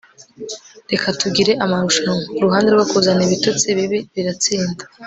reka tugire amarushanwa. uruhande rwo kuzana ibitutsi bibi biratsinda